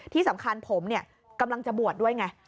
ที่สำคัญผมกำลังจะบวชด้วยไง